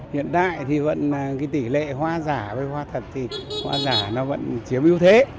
hiện đại thì vẫn là cái tỷ lệ hoa giả với hoa thật thì hoa giả nó vẫn chiếm ưu thế